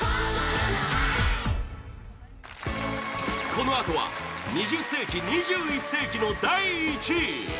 このあとは２０世紀・２１世紀の第１位！